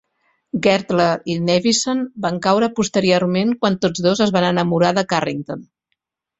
Gertler i Nevinson van caure posteriorment quan tots dos es van enamorar de Carrington.